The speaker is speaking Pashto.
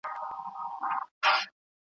تاریخ پوه د راتلونکي په اړه وړاندوېینه نه کوي.